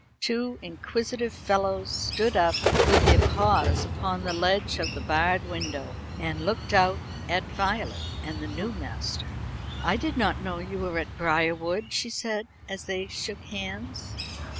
Two inquisitive fellows stood up with their paws upon the ledge of the barred window, and looked out at Violet and the new master. "I did not know you were at Briarwood," she said, as they shook hands.